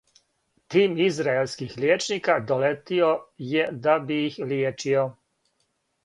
Тим израелских лијечника долетио је да би их лијечио.